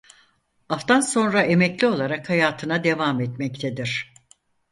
Aftan sonra emekli olarak hayatına devam etmektedir.